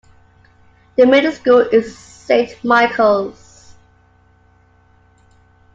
The middle school is Saint Michael's.